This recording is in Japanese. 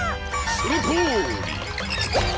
そのとおり！